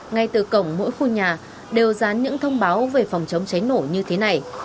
ngay từ cổng mỗi khu nhà đều dán những thông báo về phòng chống cháy nổ như thế này